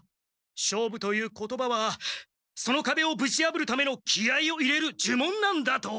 勝負という言葉はそのかべをぶちやぶるための気合いを入れるじゅもんなんだと！